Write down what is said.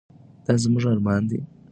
دا زموږ ارمان دی.